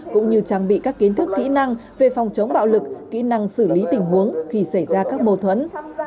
cũng như trang bị các kiến thức kỹ năng về phòng chống bạo lực kỹ năng xử lý tình huống khi xảy ra các mâu thuẫn